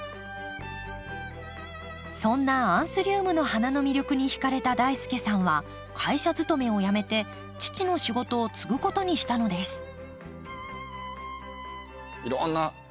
そんなアンスリウムの花の魅力にひかれた大輔さんは会社勤めをやめて父の仕事を継ぐことにしたのです。